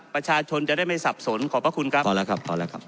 ประชาชนจะได้ไม่สับสนขอบพระคุณครับพอแล้วครับพอแล้วครับ